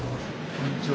こんにちは。